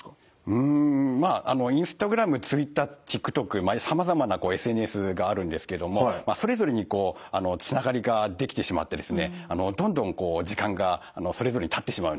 うんまあＩｎｓｔａｇｒａｍＴｗｉｔｔｅｒＴｉｋＴｏｋさまざまなＳＮＳがあるんですけどもそれぞれにつながりができてしまってですねどんどん時間がそれぞれにたってしまうんですね。